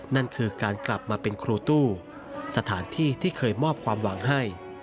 นั่นคือการกลับมาเป็นครูตู้สถานที่ที่เคยมอบความหวังให้